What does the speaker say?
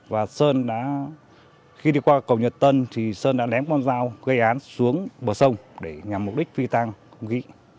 và sơn đã khi đi qua cầu nhật tân thì sơn đã ném con dao gây án xuống bờ sông để nhằm mục đích phi tăng không khí